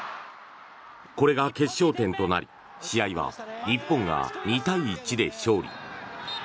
これが決勝点となり試合は日本が２対１で勝利。